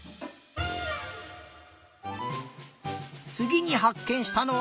つぎにはっけんしたのは。